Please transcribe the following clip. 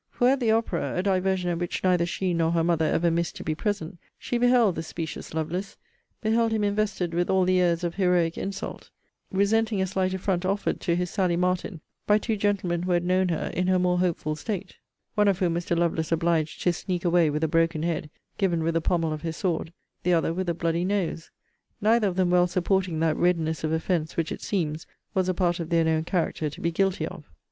For, at the opera, a diversion at which neither she nor her mother ever missed to be present, she beheld the specious Lovelace beheld him invested with all the airs of heroic insult, resenting a slight affront offered to his Sally Martin by two gentlemen who had known her in her more hopeful state, one of whom Mr. Lovelace obliged to sneak away with a broken head, given with the pummel of his sword, the other with a bloody nose; neither of them well supporting that readiness of offence, which, it seems, was a part of their known character to be guilty of.